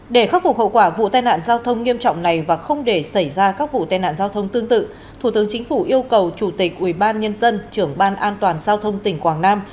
để khắc phục hậu quả vụ tai nạn giao thông nghiêm trọng này và không để xảy ra các vụ tai nạn giao thông tương tự thủ tướng chính phủ yêu cầu chủ tịch ubnd trưởng ban an toàn giao thông tỉnh quảng nam